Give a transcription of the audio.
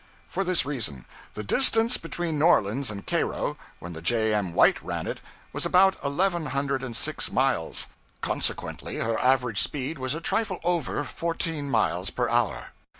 For this reason: the distance between New Orleans and Cairo, when the 'J. M. White' ran it, was about eleven hundred and six miles; consequently her average speed was a trifle over fourteen miles per hour.